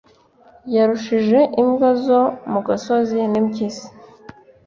yarushije imbwa zo mu gasozi n'impyisi